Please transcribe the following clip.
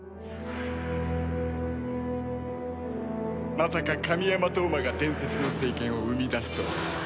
まさか神山飛羽真が伝説の聖剣を生み出すとは。